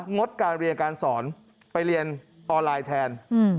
งดการเรียนการสอนไปเรียนออนไลน์แทน